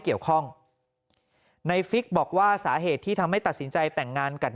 เกี่ยวข้องในฟิกบอกว่าสาเหตุที่ทำให้ตัดสินใจแต่งงานกัน